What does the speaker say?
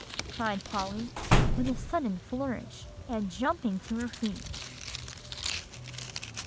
cried Polly, with a sudden flourish, and jumping to her feet.